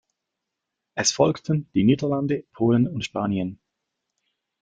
Es folgten die Niederlande, Polen und Spanien.